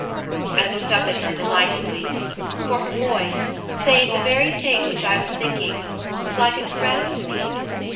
I looked up at her delightedly; for her voice, saying the very thing which I was thinking, was like a caress to me.